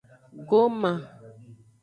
Goma.